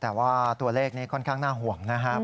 แต่ว่าตัวเลขนี้ค่อนข้างน่าห่วงนะครับ